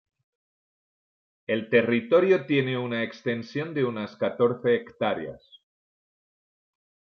El territorio tiene una extensión de unas catorce hectáreas.